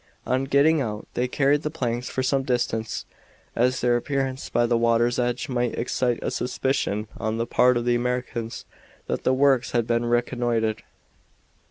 On getting out they carried the planks for some distance, as their appearance by the water's edge might excite a suspicion on the part of the Americans that the works had been reconnoitered.